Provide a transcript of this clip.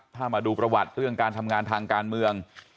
ถ้ามาดูประวัติเรื่องการทำงานทางการเมือง